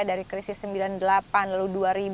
dari krisis sembilan puluh delapan lalu dua ribu